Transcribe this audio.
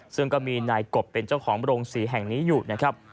ซึ่งก็มีนายกบเป็นเจ้าของโรงศรีแห่งนี้อยู่นะครับ